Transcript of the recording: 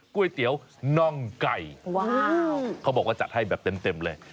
ก๋วยเตี๋ยวน่องไก่ว้าวเขาบอกว่าจัดให้แบบเต็มเลย